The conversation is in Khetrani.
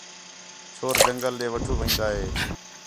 چھور جنگل ݙے وٹھو وین٘دا ہِے